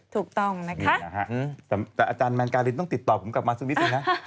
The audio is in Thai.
ถูกต้องนะคะแต่อาจารย์แมนการินต้องติดต่อผมกลับมาสักนิดนึงนะ